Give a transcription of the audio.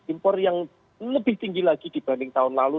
impor yang lebih tinggi lagi dibanding tahun lalu